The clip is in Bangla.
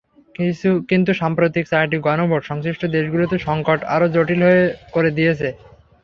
কিন্তু সাম্প্রতিক চারটি গণভোট সংশ্লিষ্ট দেশগুলোতে সংকট আরও জটিল করে দিয়েছে।